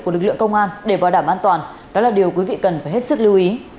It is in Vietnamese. của lực lượng công an để bảo đảm an toàn đó là điều quý vị cần phải hết sức lưu ý